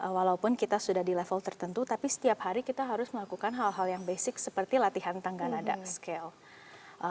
walaupun kita sudah di level tertentu tapi setiap hari kita harus melakukan hal hal yang basic seperti latihan tangga nada scale